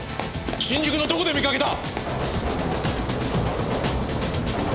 新宿のどこで見かけた？